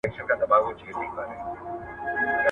روښانه فکر راتلونکی نه زیانمنوي.